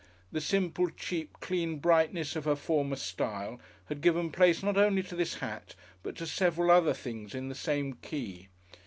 The simple, cheap, clean brightness of her former style had given place not only to this hat, but to several other things in the same key.